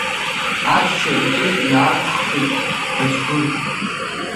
Ачча иқьышә иаақәххит Баџьгәыр…